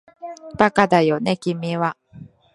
バカだよね君は